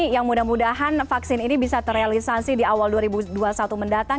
yang mudah mudahan vaksin ini bisa terrealisasi di awal dua ribu dua puluh satu mendatang